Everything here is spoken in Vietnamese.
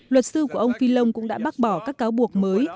luật sư của ông fillon cũng đã bác bỏ các cáo buộc mới